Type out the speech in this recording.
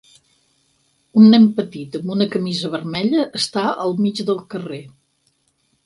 Un nen petit amb una camisa vermella està al mig del carrer.